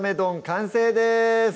完成です